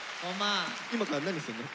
今から何するの？